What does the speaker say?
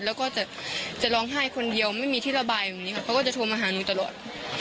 แล้วก็จะร้องไห้คนเดียวไม่มีที่ระบายแบบนี้ค่ะเขาก็จะโทรมาหาหนูตลอด